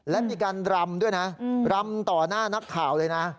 และมีการรำด้วยนะรำต่อหน้านักข่าวเลยนะ